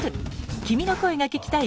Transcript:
君の声が聴きたい。